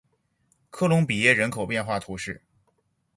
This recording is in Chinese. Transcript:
科隆比耶人口变化图示